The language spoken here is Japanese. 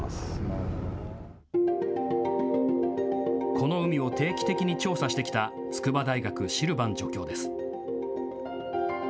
この海を定期的に調査してきた筑波大学、シルバン助教です。